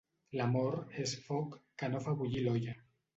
L'amor és foc que no fa bullir l'olla.